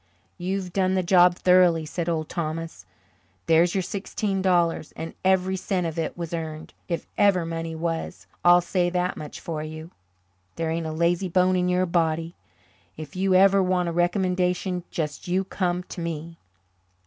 "You've done the job thoroughly," said Old Thomas. "There's your sixteen dollars, and every cent of it was earned, if ever money was, I'll say that much for you. There ain't a lazy bone in your body. If you ever want a recommendation just you come to me."